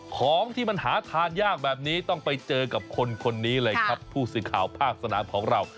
ของที่มันหาทานยากแบบนี้ต้องไปเจอกับคนคนนี้เลยครับผู้สื่อข่าวภาคสนามของเรา